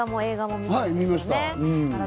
見ました。